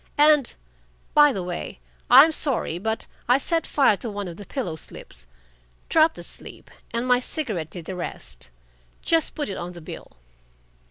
And, by the way, I'm sorry, but I set fire to one of the pillow slips dropped asleep, and my cigarette did the rest. Just put it on the bill."